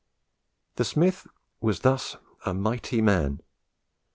The smith was thus a mighty man.